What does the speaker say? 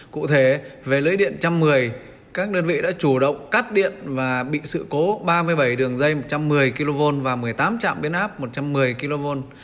cụ thể về lưới điện một trăm một mươi các đơn vị đã chủ động cắt điện và bị sự cố ba mươi bảy đường dây một trăm một mươi kv và một mươi tám trạm biến áp một trăm một mươi kv